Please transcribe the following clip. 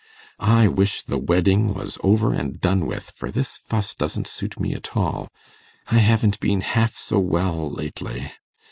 I wish the wedding was over and done with, for this fuss doesn't suit me at all. I haven't been half so well lately.